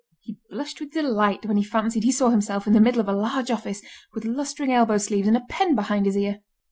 He blushed with delight when he fancied he saw himself in the middle of a large office, with lustring elbow sleeves, and a pen behind his ear.